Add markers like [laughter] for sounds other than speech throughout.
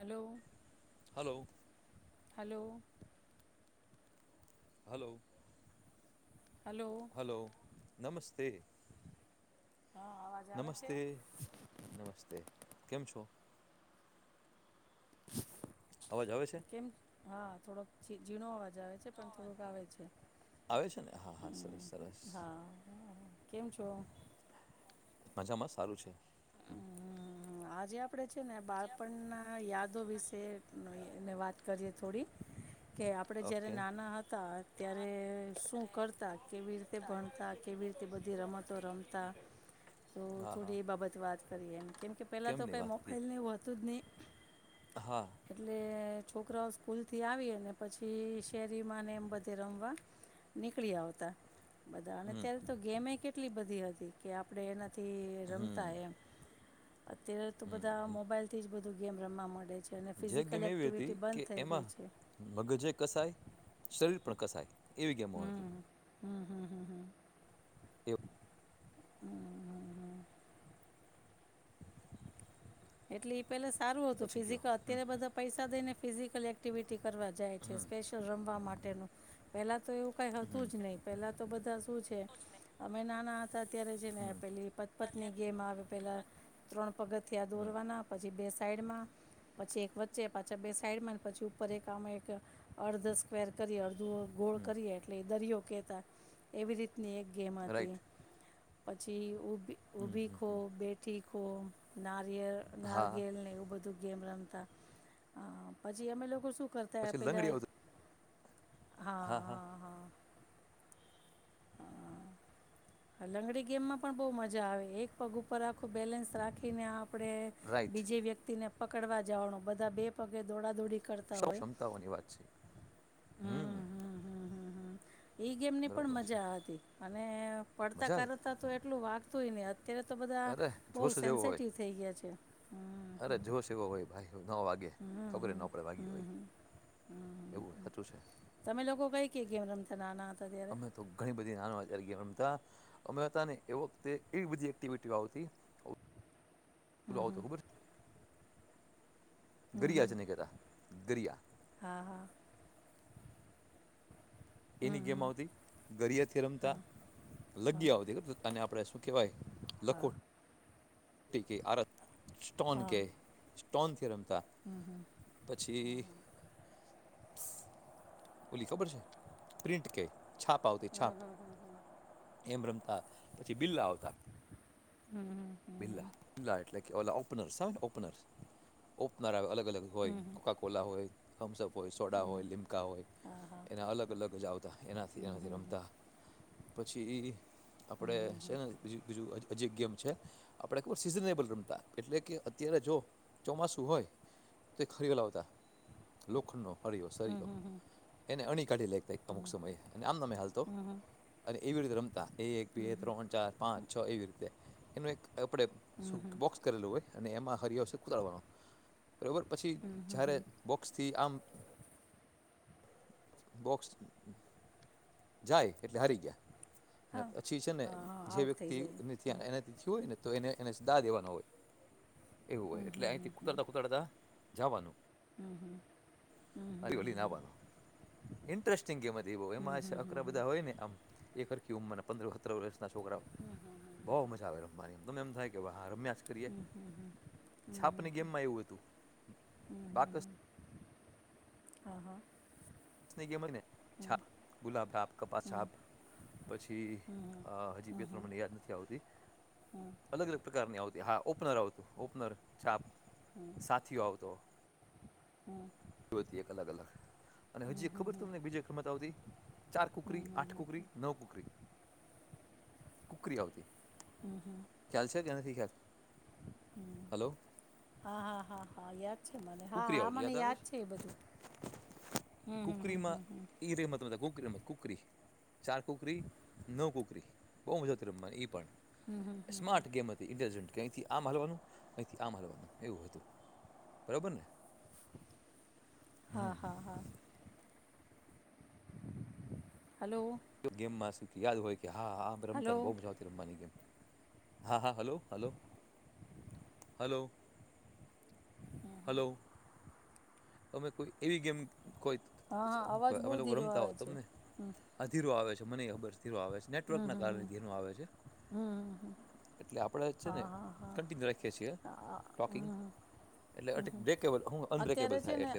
Hello hello hello hello hello નમસ્તે હા અવાજ આવે છે નમસ્તે નમસ્તે કેમ છો [unintelligible] અવાજ આવે છે [inaudible] કેમ હા થોક જીણવા છે [unintelligible] આવે છે, પણ થોડુંક આવે છે, આવે છે ને હા હા હમ સરસ સરસ હા કેમ છો મજામાં સારું છે. આજે આપણે છે, ને બાળપણના યાદો વિશે વાત કરીએ થોડી કે આપડે જયારે ઓકે નાના હતા [unintelligible] અત્યારે શું કરતા કેવી રીતે ભણતા કેવી રીતે બધી રમતો રમતા તો હા હા થોડી એ બાબત વાત [unintelligible] સ્ત કરીએમ કેમ કે પહેલાં તો નહીં કંઈ વાત કરી મોબાઈલ ન એ હોતું જ નહીં [unintelligible] હા એટલે છોકરાઓ સ્કૂલથી આવી અને પછી શેરીમાં એમ બધે રમવા નીકળ્યા આવતા [unintelligible] બધાને અત્યારે તો ગેમે કે [unintelligible] એટલી બધી હતી કે આપણે એના [unintelligible] તે રમતા એમ [unintelligible] અત્યારે તો બધા મોબાઈલ થી જ બ. ગમવા મળે છે. અને જે ફિઝિકલ ગેમ એવી એક્ટિવિટી હતી બંધ કે થઈ ગઈ એમાં છે મગજે કસાય. શરીર પણ કસાય એવી ગેમો હતી. હા, હા, હા, એ હા. હા, હા, હા, હા. એટલે ઈ પેલે સારું હતું પછી ગયો ફિઝિકલ અત્યારે બધા પૈસા દઈને ફિઝિકલ એક્ટિવિટી કરવા જાય છે. સ્પેશિયલ રમવા માટેનું પહેલાં તો એવું કંઈ હતું હમ જ નહીં. પેલા તો બધા શું છે અમે નાના હતા અત્યારે જે ને હમ પેલી પતપથની ગેમ આવે પહેલાં ત્રણ પગથિયાં હમ દોરવાના પછી બે સાઈડમાં પછી એક વચ્ચે પાછા બે સાઈડમાં ને પછી ઉપર એક આમાં એક અર્ધ સ્કવેર કરી દુઅ ગોળ હમ કરીએ એટલે એ દરિયો કેતા એવી રીત ની એક ગેમ હતી. રાઈટ પછી ઉબ હમ ઉભી હમ ખો બેઠી ખો ના ગેલ હા નાર્ગેલ ને એવું બધું ગેમ રમતા પછી અમે લોકો શું. કરતા પછી પહેલા. લંગડી આવતી હા હા હા. હ લંગડી ગેમમાં પણ બઉ મજા આવે એક પગ ઉપર આખું બેલેન્સ રાખીને આ આપણે રાઈટ બીજે વ્યક્તિને. પકડવા જવાનું બધા બે પગે દોડા-દોડી. કરતા હોય ક્ષમતાઓની વાત છે હમ હમ્મ, હમ્મ, હમ્મ, હમ્મ. એ ગેમ ને પણ મ બરોબર છે મજા હતી અને પડતા મજા જ કરતા તો એટલું વાક તો ઈને. અત્યારે તો બધા અરે બહુ જોશ જેવો હોય સેન્સેટિવ થઈ ગયા છે. હમ અરે હમ જોશ એવો હોય ભાઈ નો વાગે હમ ખબરે હમ નો પડે હમ વાગી હોય હમ એ એવું હતું. કે ગેમ રમતાં નાના હતા ત્યારે? ઘણી બધી નાનો હતા ત્યારે ગેમ રમતાં અમે હતા ને એ વખતે એવી બધી એક્ટિવિટીઓ આવતી. હમ ઓલો હમ આવતો ખબર છે હમ ગરિયા હમ જે ને કહેતા ગરિયા હા હા એની હમ ગેમ હમ આવતી ગરિયા થી હા રમતાં હા લગી આવતી આને આપડે ઓકે ભાઈ. હા લખો. ટી કે આરત સ્ટોન હા કે ટોનથી રમ તા હમ હમ પછી ઓલી ખબર છે પ્રિન્ટ કે છાપ આવતી છાપ એમ રમતાં પછી બિલ્લા આવતાં હમ બીલા બીલા એટલે કે ઓલા ઓપનરસને આવેને ઓપનર ઓપનર આવે અલગ અલગ હમ હોય હમ કોકાકોલા હોય. થમ્સ અપ. હોય સોડા હોય લીમકા હોય એના અલગ અલગ જ આવતા એનાથી એનાથી રમતાં પછી ઈ હમ આપડે સે ને બીજું બીજું હજુ હજી એક ગેમ છે. આપણે ખબર સીઝનેબલ રમતાં એટલે કે અત્યારે જો ચોમાસું હોય તો એક હરિયો લાવતા લોખંડનો હરિયો હમ સરીઓ હમ હમ હમ હમ એને અણી કાઢી લેતાં એક અમુક સમયે અને આમનામ એ હાલતો હમ હમ હમ અને એવી રીતે રમ એક બે ત્રણ ચાર પાંચ છ એવી રીતે એનું એક આપણે હમ શું બોક્સ કરેલું હોય. અને એમાં હરિયો સુકડાવાનો બરોબર પછી હમ હમ જ્યારે હમ બોક્સથી આમ બોક્સ જાય એટલે હારી ગયા. અને હા પછી છે ને હા હા જે આઉટ થઈ વ્યક્તિ જાય હમ એનીથી એનાથી થયું હોય ને તો એને એને સદા દેવાનો હોય એવું હા હોય એટલે અહીથી કુતરતા હા કુતરતા જાવાનું, અરે ઓલી આવાનું ઇન્ટરેસ્ટિંગ ગેમ હતી, બહુ એમાં છોકરા બધા હોય ને આમ એક હ કે ઉમર પંદર, સતર વર્ષ ના છોકરાઓ બહુ મજા આવે રમવાની તમે એમ થાય કે હા રમ્યા જ કરીએ, ઐછાપની ગેમમાં એવું હતું બાકસ દસની ગેમ હોય ને છાપ ગુલાબ, છાપ કપાસ છાપ પછી હજી બે, ત્ર મને યાદ નથી આવતી અલગ અલગ પ્રકારની આવતી, હા ઓપનર આવતું, ઓપનર છાપ સાથીઓ આવતો [inaudible] જો એક અલગ અલગ અને હજી એક ખબર તમને બીજા રમત આવતી. ચાર કુકરી, આઠ કુકરી, નવ કુકરી. કુકરી આવતી. ખ્યાલ છે, કે નથી ખ્યાલ. હલો! હા હા હા હા યાદ મને, કુકરી હાહા આવતી મને આવે યાદ છે એ બધું, એ હમ કુકરીમાં હમ હમ એ રમત રમતા કુકરી રમત કુકરી ચાર કુકરી, નવ કુકરી બહુ મજાથી રમવાની એ પણ. સ્માાર્ટ ગેમ હતી, ઇન્ટેલિજેન્ટ કે અહીંથી આમ હાલવાનું, અહીંથી આમ હલવાનું એવું હતું. બરાબરને? હા હા હા. હલો તો ગેમમાં શું? યાદ હોય ક્યા? હા હમે રમતા હલો ને, બઉ મજા આવતી રમવાની ગેમ. હા હા હલો હલો હલો હલો અમે કોઈ એવી ગેમ કોઈ. હા હા શું અવાજ કહેવાય બહુ અમે લોકો ધીરો આવે છે, હ મનેય ખબર છે. ધીમો આવે છે, નેટવર્કના કારણે ધીમો આવે છે, હમ હમ હમ હમ. એટલે આપણે છે ને હા હા હા કન્ટિન્યુ રાખીએ છીએ, અ- અ- ટોકિંગ હમ. એટલે અટકી બ્રેકેવ હું અનબ્રે અત્યારે છે ને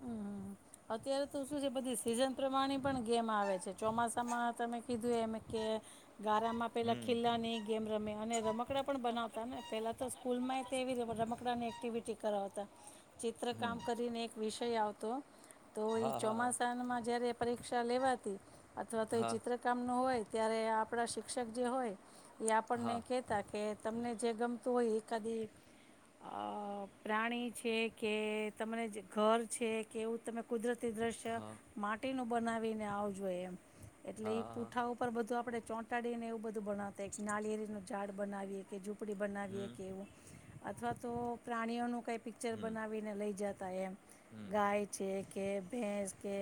હમ અત્યારે તો શું છે બધી સીઝન પ્રમાણી પણ ગેમ આવે છે. ચોમાસામાં તમે કીધું એ એમ કે ગારામાં પહેલાં હમ ખિલ્લાની ગેમ રમે અને રમકડા પણ બનાવતા ને પહેલાં તો સ્કૂલમાં તેવી રમકડાની એક્ટિવિટી કરાવતા. ચિત્ર હમ કામ કરીને એક વિશ કઈ આવ તો તો હા હા ચોમાસામાં જયારે પરીક્ષા લેવાતી અથવા તો એ હા ચિત્રકામ નો હોય. ત્યારે આપણા શિક્ષક જે હોય એ આપણને હા કહેતા કે તમને જે ગમતું હો એક આદી પ્રાણી છે કે તમને ઘર છે કે એવું તમે કુદરત દ્રશ્ય હા માટે નુ બનાવીને આવ જઈએ એમ એટલે હા હા પૂઠા ઉપર બધું આપડે ચોંટાડીને એવું બધું બનાવતા એક નાલિરીનું ઝાડ બનાવી કે પપડી બનાવીયે હમ કે એવું અથવા તો પ્રાણીઓનું કંઈ પિક્ચર હમ બનાવીને લઇ જાત તા એમ હમ ગાય છે. કે ભેંસ કે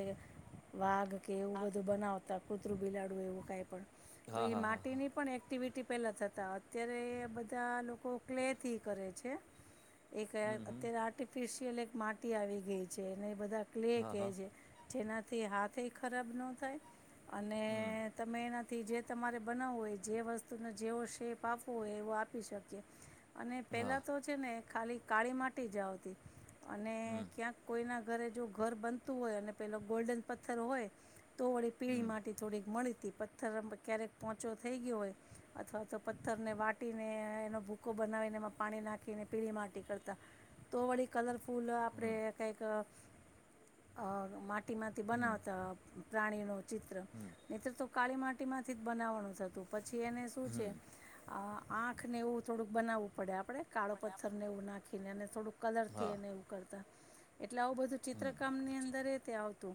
વાઘ કે એવું બધું બનાવતા કૂતરું બીલાડૂ એવ કંઈ પણ તો હા એઈ હા હા હા માટીની પણ એક એક્ટિવિટી પહેલાં થતા અત્યારે બધા લોકો ક્લેથી કરે છે. એક હમ હમ અત્ય્યારે આર્ટિફિશિયલ એક માટી આવી ગઈ છે ને એ બધા ક્લે હા કે હા છે જેના તે હાથ એ ખરાબ ન થાય. અને હમ તમે એના થી જે તમારે બનાવવું હોય જે વસ્તુનો જેવો શેપ આપવો હોય એવો આપી શકીએ. અને હા પેલા તો છે ને. ખાલી કાળી માટી જ આવતી. અને હમ ક્યાંક કોઈના ઘરે જો ઘર બનતું હોય અને પેલો ગોલ્ડન પથ્થર હોય. તો થોડી પીળી હમ માટે થોડીક મળી થી પથ્થર ક્યારેક પોહચો થઈ ગયો હોય અથવા તો પથ્થરને વાટીને એનો ભૂકો બનાવીને એમાં પાણી નાખીને પીળી માટી કરતા તો વળી કલર. ફૂલ આપણે કંઈક. અ માટ તે માથી હમ બનાવતા. પ્રાણીનો ચિત્ર હમ નિતૃતો કાળી માટીમાંથી જ બનાવવાનું થતું પછી એને શું છે આહ આંખને એવું થોડુંક બનાવવું પડે આપણે કાળો પથ્થરને એવું નાખીને અને થોડું કલરથી હા એને એવું કરતાં. એટલે આવું બધું હમ ચિત્રકામ ની અંદર એ તે આવ તો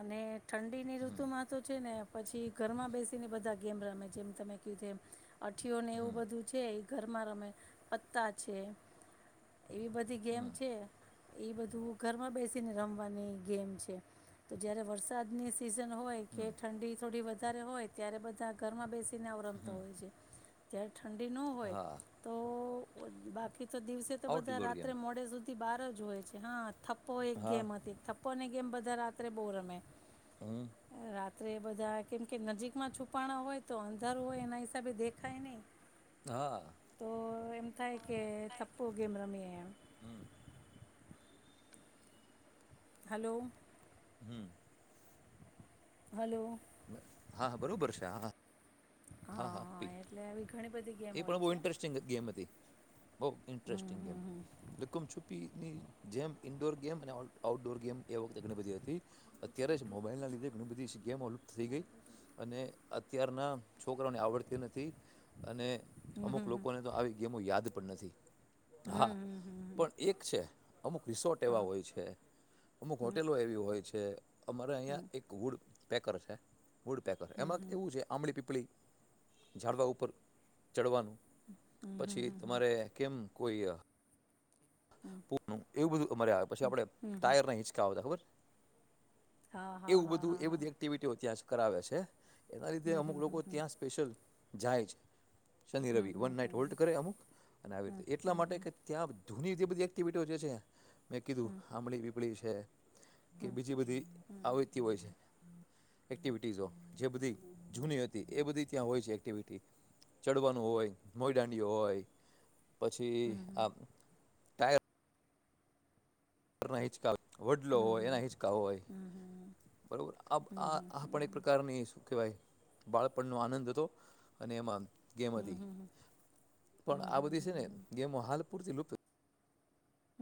અને ઠંડીની હમ ઋતુમાં તો છે ને પછી ઘરમાં બેસીને બધા ગેમ રમે જેમ તમે કીધું એમ. અઠીઓને એવું બધું છે એ ઘરમાં રમે. પત્તા છે એવી બધી ગેમ હમ છે એ બધું ઘરમાં બેસીને રમવાની ગેમ છે. તો જયારે વરસાદની સિઝન હોય કે ઠંડી થોડી વ ત્યારે હોય ત્યારે બધા ઘરમાં બેસ સી તને આવ રમતા હોય છે. ત્યાર ઠંડી નો હોય હા તો બોલ બાકી તો દિવસે તો આઉટ બધા ડોર ગેમ રાત્રે મોડે સુધી બાર જ હોય છે હા. થયો એક હા ગેમ આ હતી થપ પોને એણત અધ રાત્રે બો રમે હમ. રાત્રે બધા કેમ કે નજીકમાં છુપાણા હોય તો અંધારું હોય એના હિસાબે દેખાય નહી. હા તો એમ થાય કે થપ્પો ગેમ રમીએ એમ. હમ હલો. હમ. હલોલો. હા બરોબર છે હા. હા હા પી એટલે આવી ઘણી બધી ગેમ એ હોય પણ બહુ છે. ઇન્ટરેસ્ટિંગ ગેમ હતી બહુ ઇન્ટરેસ્ટિંગ ગેમ લુકુમ છુપ્પીની જેમ ઇન્ડોર ગેમ અને આઉટડોર ગેમ એ વખતે ઘણી બધી હતી અત્યારે જ મોબાઈલના લીધે ઘણી બધી ગેમ ઓવલપ્ધ થઈ ગઈ અને અત્યારના છોકરાને આવડતી નથી અને અમુક લોકોને તો આવી ગેમો યાદ પણ નથી. હા પણ એક છે. અમુક રિસોર્ટ એવા હોય છે અમુક હોટેલો એવી હોય છે. કે અમારે અહિયાં એક ગુડ. બેે કર છે. વુડ પેકર એમાં એવું છે આંમળી પીપળી. ઝાડવા ઉપર ચડવાનું. પછી તમારે કેમ. કોઈિયા. પ એવું બધું મર્યા આવે પછી આપડે ટાયર ના હિચકા આવતા ખબર. હા હા એવું હા બધું હા એ હા બધી એક્ટિવિટીઓ ત્યાં છે. કરાવે છે. એના લીધે હમ અમુક હમ લોકો ત્યાં સ્પેશિયલ. જાયજ. શનિ રવિ વન નાઈટ હોલ્ટ કરે અમુક અને આવી રીતે એટલા માટે કે ત્યાં. જૂની એધી બધી એક્ટિવિટીઓ જે છે. મેં કીધું હમ હમ આમળી વિીપળી છે. હ. કે હમ બીજી બધી હમ હમ આવતી હોય છે. એક્ટિવિટીઝો જે બધી જૂની હતી એ બધી ત્યાં હોય છે એક્ટિવિટી ચડવાનું હોય મોઈદાંડીઓ હોય. હમ હમ હા હા હા હા હા હમ હમ હમ હમ હમ હમ હમ હમ હમ પછી હમ હમ આ. ત. કરનાહી ચકાાલ. વડલો હમ હમ હમ હોય એના હિંચકા હોય હમ હમ બરોબર આ આ પણ એક પ્રકારની શું કહેવાય. બાળપણનો આનંદ હતો અને એમાં. ગેમ હતી, પણ આ બધી છે ને ગેમ હાલ. પૂરતિ લુપ્ત.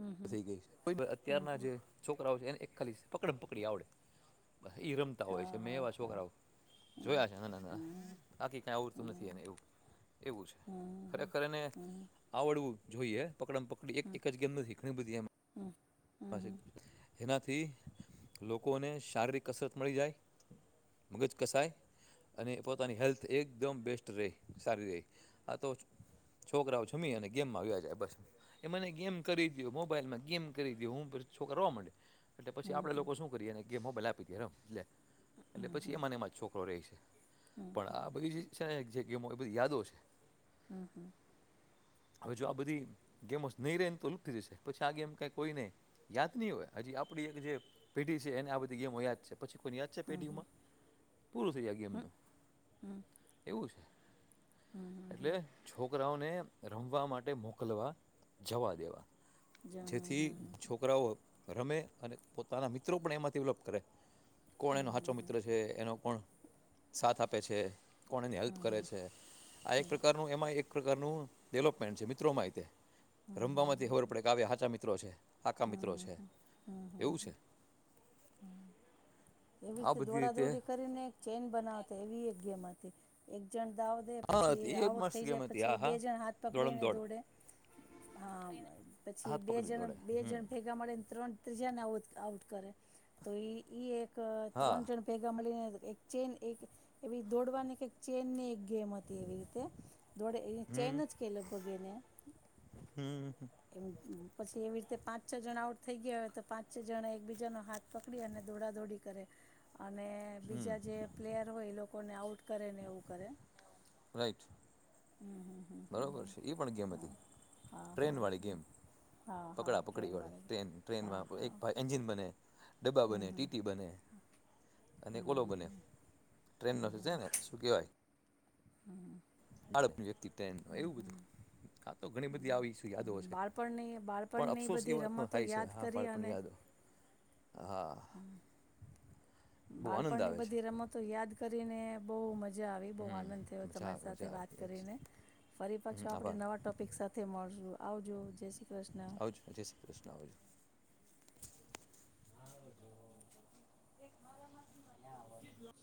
હમ હમ હમ થઈ ગઈ છે, તોંય જે અત્યારના હમ જે છોકરાઓ છે એને ખાલી પકડ પકડી આવડે. ઈ રમતા હોય છે હા મેં હા એવા હા છોકરાઓ હમ જોયા છે ના ના હમ હમ ના આકીી કાંઈ આવડતું નથી એને એવું એવું છે ખરેખરને હમ આવડવું. જોઈએ. પકડામાં પકડી હમ એક જ ગેમ ન. [unintelligible] હમ હમ. પાશે હમ એનાથી લોકોને શારીરિક કસરત મળી જાય, મગજ કસાય, અને પોતાની હેલ્થ એકદમ બેસ્ટ રહે સારી રેય, આ તો છોકરાઓ જમી અને ગેમમાં આવ્યા જાય બસ, એ મને ગેમ કરી દયો મોબાઈલમાં ગેમ કરી હું છો કરવા માંડે. એટલે પછી આપે લોકો શું કરીએને ગેમો ભ જરા લે. એટલે પછી એમાંને એમાં છોકરો રે છે, પણ આ બધી જે છે ગેમો એ બધી યાદો છે. હમ હમ. હવે જો આ બધી ગેમો નહી રે ને તો લુપતી જશે, પછી આ ગેમ ક કોઈ નહી યાદ નહી હોય હજી આપડી એક જે પેઢી છે એને આ બધી ગેમો યાદ છે. પછી કોઈની યાદ છે પેઢીમાં? પૂરું થઈ જાય ગેમ એમનું. એવું છે, એટલે છોકરાઓને રમવા માટે મોકલવા જવા દેવા જ હા હ હ. રા રમે અને પોતાના મિત્રો પણ એમાંથી લપ કરે. કોણ એનો સાચો મિત્ર છે, એનો કોણ સાથ આપે છે. કોને હેલ્પ કરે છે, આ એક પ્રકારનું એમાં એક પ્રકારનું ડેવલપમેન્ટ છે મિત્રો માહિતે રમવામાંથી હોર પડે ક આવ્યા હાચા મિત્રો છે. મિત્રો છે, એવું છે. એવી આ રીતે બધી દોડાદોડી કરીને એક ચેઇન બનાવતા એવી એક ગેમ હતી. તે એક જણ દાવ દે હા પછી એ આઉટ મસ્ત થઈ ગેમ જાય હતી પછી હા બે હા જણ હાથ દોડમ પકડીને દોડ દોડે. હા પછી હાથ બે પકડીને જણ દોડે બે હમ જણ ભેગા મળે ત્રણ ત્રીજાને આઉટ કરે તો, એક ક હા ત્રણ જણ ભેગા મળીને એક ચેન એક એવી દોડવાની એક ચેન ની એક ગેમ હતી એવી રીતે, દોડે હમ ચેનજ કેયલગભગ અને હમ. એમ. પછી એવી રીતે પાંચ છ જણા આઉટ થઈ ગયા હોય તો પાંચ છ જણા એકબીજાનો હાથ પકડી અને દોડા દોડી કરે અને હમ બીજા જે પ્લેયર હોય એ લોકો કોને આઉટ કરે ને એવું કરે રાઈટ. હમ હમ હમ બરોબર હમ છે. એઈ પણ ગેમ હમ હતી હા હા ટ્રેન હા વાળી હમ ગેમ હા હા પકડા પકડી ટ્રેન વાળી ટ્રેન હા ટ્રેનમાં હા એન્જિન બને ડબ્બા હમ બને હમ ટીટી બને હમ અને કોલો બને હમ ટ્રેન હમ નથી જ હમ ને શું કેવાય? બાળકની વ્યક્તિત્વ એવું બધું હા તો ઘણી બધી આવી હમ યાદો છે. બાળપણની પણ બાળપણની અફસોસ એ બધી વાત ન રમતો થાય છે. યાદ હા કરી બાળપણની અને યાદો હા બહુ આનંદ બાળપણની આવે છે બધી રમતો યાદ કરીને બહુ મજ મજા આવી બહુ હમ આનંદ થયો મજા તમારી આવે સાથે મજા આવે વાત યસ કરીને ફરી પાછો હમ આપણે આભાર નવા ટોપિક સાથે મળશું. આવ જો જે આવજો જય શ્રી કૃષ્ણ આવજો. હા [unintelligible] [unintelligible]